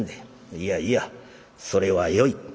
「いやいやそれはよい」。